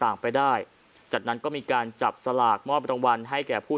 ต่างไปได้จากนั้นก็มีการจับสลากมอบรางวัลให้แก่ผู้